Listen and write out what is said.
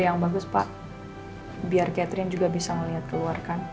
yang bagus pak biar catherine juga bisa melihat keluar kan